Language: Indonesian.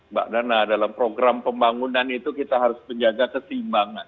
mbak dana dalam program pembangunan itu kita harus menjaga keseimbangan